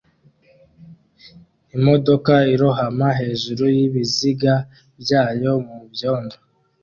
Imodoka irohama hejuru yibiziga byayo mubyondo